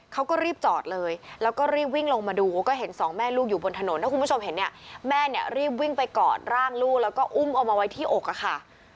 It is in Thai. เขาก็รีบจอดเลยแล้วก็รีบวิ่งลงมาดูก็เห็นสองแม่ลูกอยู่บนถนนถ้าคุณผู้ชมเห็นเนี่ยแม่เนี่ยรีบวิ่งไปกอดร่างลูกแล้วก็อุ้มเอามาไว้ที่อกอะค่ะ